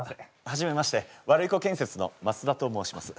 はじめましてワルイコ建設の増田と申します。